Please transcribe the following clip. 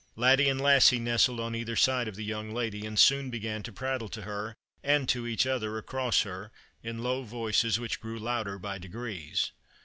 Laddie and Lassie nestled on either side of the young lady, and soon began to prattle to her, and to each other across her, in low voices which grew louder by degrees.